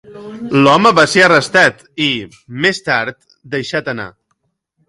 L'home va ser arrestat i, més tard, deixat anar.